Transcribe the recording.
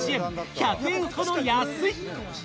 １００円ほど安い。